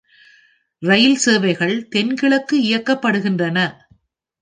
ரயில் சேவைகள் தென்கிழக்கு இயக்கப்படுகின்றன.